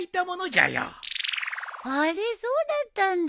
あれそうだったんだ！